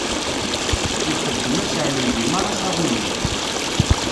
Nxeddem aseɛlem deg merra taɣulin.